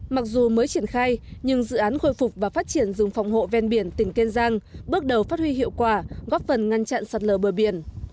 mặc dù mới triển khai nhưng dự án khôi phục và phát triển rừng phòng hộ ven biển tỉnh kiên giang bước đầu phát huy hiệu quả góp phần ngăn chặn sạt lờ bờ biển